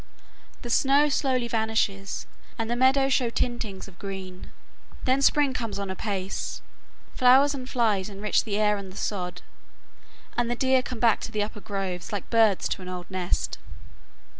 The snow slowly vanishes, and the meadows show tintings of green. Then spring comes on apace; flowers and flies enrich the air and the sod, and the deer come back to the upper groves like birds to an old nest.